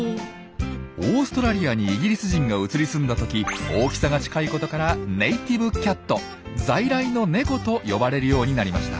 オーストラリアにイギリス人が移り住んだ時大きさが近いことから「Ｎａｔｉｖｅｃａｔ」「在来のネコ」と呼ばれるようになりました。